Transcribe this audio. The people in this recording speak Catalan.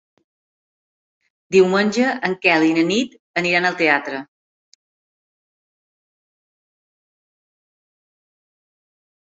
Diumenge en Quel i na Nit aniran al teatre.